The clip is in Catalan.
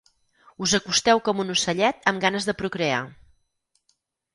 Us acosteu com un ocellet amb ganes de procrear.